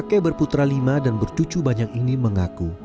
kake berputra lima dan bertucu banyak ini mengaku